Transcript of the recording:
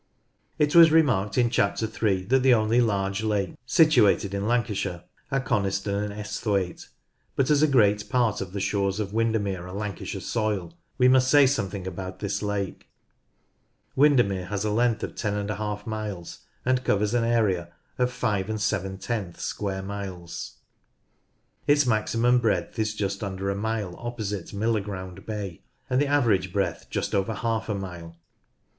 It was remarked in Chapter 3 that the only large lakes situated in Lancashire are Coniston and Esthwaite, but as a great part of the shores of Windermere are Lancashire soil, we must say something about this lake. Windermere has a length of 10^ miles, and covers an area of 5^ square miles. Its maximum breadth is just under a mile opposite Millerground Bay, and the average breadth just over half a mile.